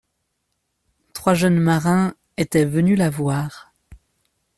Trois jeunes marins étaient venus la voir.